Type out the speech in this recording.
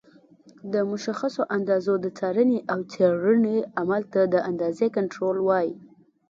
د مشخصو اندازو د څارنې او څېړنې عمل ته د اندازې کنټرول وایي.